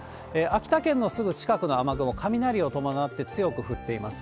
秋田県のすぐ近くの雨雲、雷を伴って、強く降っています。